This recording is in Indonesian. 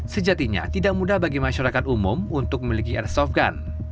sejatinya tidak mudah bagi masyarakat umum untuk memiliki airsoft gun